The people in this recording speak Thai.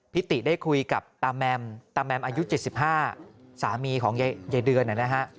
ติได้คุยกับตาแมมตาแมมอายุ๗๕สามีของยายเดือนนะฮะ